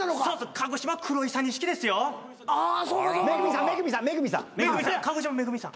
鹿児島恵さん。